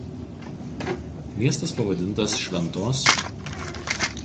Miestas pavadintas šv.